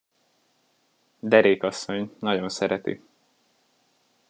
Derék asszony, nagyon szereti.